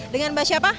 dengan mbak siapa